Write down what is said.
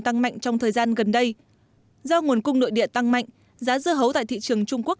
tăng mạnh trong thời gian gần đây do nguồn cung nội địa tăng mạnh giá dưa hấu tại thị trường trung quốc